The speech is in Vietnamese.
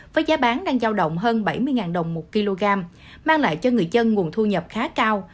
với giá bán đang giao động hơn bảy mươi đồng một kg mang lại cho người dân nguồn thu nhập khá cao